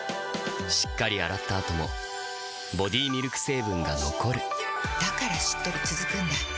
しっかり洗った後もボディミルク成分が残るだからしっとり続くんだ。